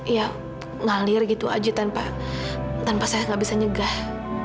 ya ngalir gitu aji tanpa saya gak bisa nyegah